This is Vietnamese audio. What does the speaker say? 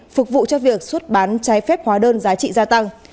phục vụ cho việc xuất bán trái phép hóa đơn giá trị gia tăng